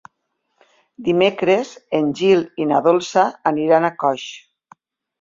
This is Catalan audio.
Dimecres en Gil i na Dolça aniran a Coix.